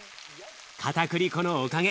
かたくり粉のおかげ。